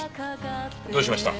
どうしました？